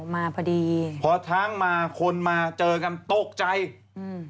มาพอดีพอช้างมาคนมาเจอกันตกใจอืม